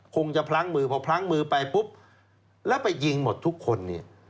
คงจะพลั้งมือพอพลั้งมือไปปุ๊บแล้วไปยิงหมดทุกคนเนี่ย